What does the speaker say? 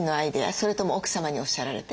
それとも奥様におっしゃられて？